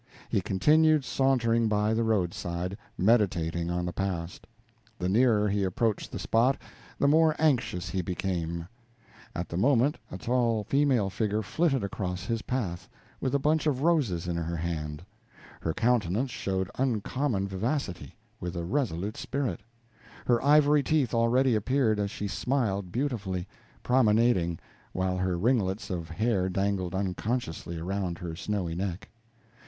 He continued sauntering by the roadside, meditating on the past. The nearer he approached the spot, the more anxious he became. At the moment a tall female figure flitted across his path, with a bunch of roses in her hand; her countenance showed uncommon vivacity, with a resolute spirit; her ivory teeth already appeared as she smiled beautifully, promenading while her ringlets of hair dangled unconsciously around her snowy neck.